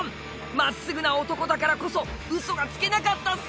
真っすぐな男だからこそウソがつけなかったっす！